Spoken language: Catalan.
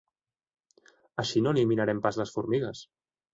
Així no eliminarem pas les formigues!